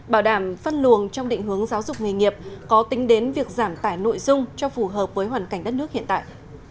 bảo đảm phân luồng trong định hướng giáo dục nghề nghiệp có tính đến việc giảm tải nội dung cho phù hợp với hoàn cảnh đất nước hiện tại